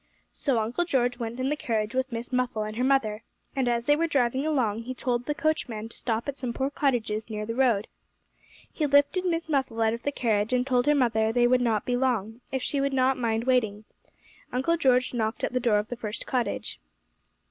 So Uncle George went in the carriage with Miss Muffle and her mother. And as they were driving along he told the coachman to stop at some poor cottages near the road. He lifted Miss Muffle out of the carriage, and told her mother they would not be long, if she would not mind waiting. Uncle George knocked at the door of the first cottage.